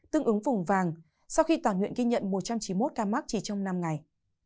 tương ứng vùng vàng sau khi toàn huyện ghi nhận một trăm chín mươi một ca mắc chỉ trong năm ngày